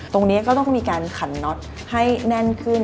ตรงนี้ก็ต้องมีการขันน็อตให้แน่นขึ้น